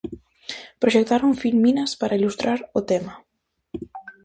Proxectaron filminas para ilustrar o tema.